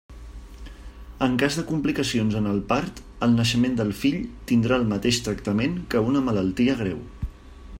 En cas de complicacions en el part, el naixement del fill tindrà el mateix tractament que una malaltia greu.